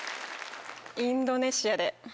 インドネシアで。